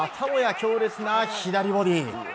強烈な左ボディー。